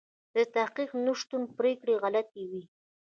د تحقیق نشتون پرېکړې غلطوي.